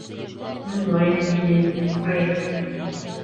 Тыңлайым һине, Кай.